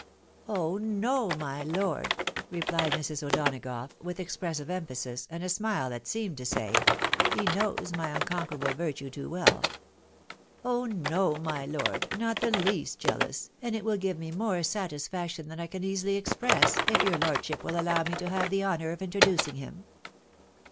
" "Oh no, my lord!" replied Mrs. O'Donagough, with expressive emphasis, and a smile that seemed to say, " He knows my unconquerable virtue too well," " oh no ! my lord, not the least jealous, and it will give me more satisfaction than I can easily express, if your lordship will allow me to have the honour of introducing him."